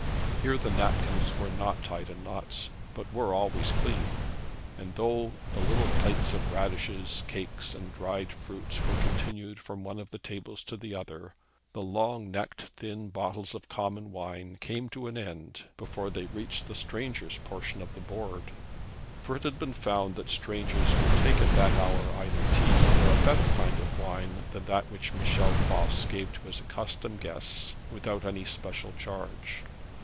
Here the napkins were not tied in knots, but were always clean. And, though the little plates of radishes, cakes, and dried fruits were continued from one of the tables to the other, the long necked thin bottles of common wine came to an end before they reached the strangers' portion of the board; for it had been found that strangers would take at that hour either tea or a better kind of wine than that which Michel Voss gave to his accustomed guests without any special charge.